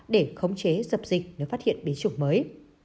để khống chế dập dịch nếu phát hiện biến chủng mới